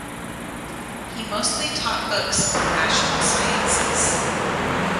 He mostly taught books on rational sciences.